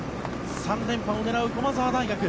３連覇を狙う駒澤大学。